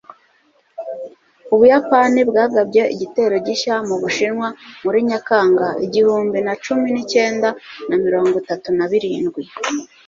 ubuyapani bwagabye igitero gishya mu bushinwa muri nyakanga, igihumbi na cumi n'icyenda na mirongo itatu na birindwi